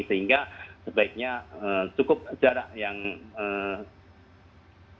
sehingga sebaiknya cukup jarak yang lebih dari